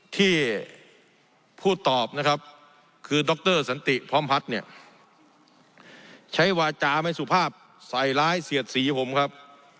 ที่ผู้ตอบนะครับคือดรสันติพร้อมพัฒน์เนี่ยใช้วาจาไม่สุภาพใส่ร้ายเสียดสีผมครับ